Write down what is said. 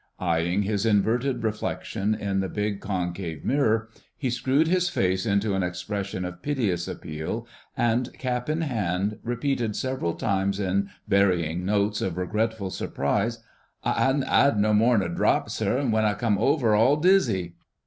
Eyeing his inverted reflection in the big concave mirror, he screwed his face into an expression of piteous appeal, and, cap in hand, repeated several times in varying notes of regretful surprise: "I 'adn't 'ad no more'n a drop, sir, w'en I come over all dizzy."